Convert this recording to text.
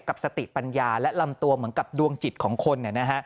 กับสติปัญญาและลำตัวเหมือนกับดวงจิตของคน